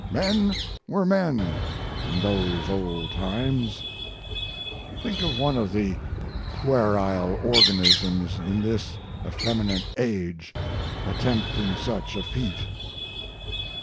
Men were men in those old times. Think of one of the puerile organisms in this effeminate age attempting such a feat.